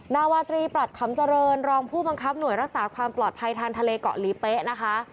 นาวาตรีปรัชคำเจริญรองผู้บังคับหน่วยรักษาความปลอดภัยทางทะเลเกาะหลีเป๊ะนะคะ